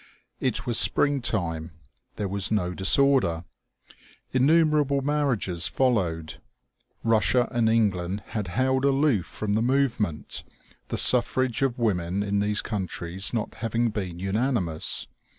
It was spring time. There was no disorder. Innumer able marriages followed. Russia and England had held aloof from the movement, the suffrage of women in these countries not having been unanimous.